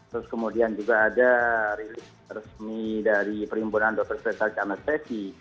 terus kemudian juga ada rilis resmi dari perhimpunan dokter spesialis anestesi